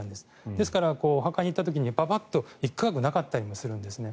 ですから、お墓に行った時に１区画なかったりもするんです。